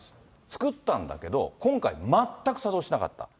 作ったんだけど、今回全く作動しなかった。